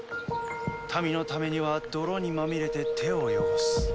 民のためには泥にまみれて手を汚す。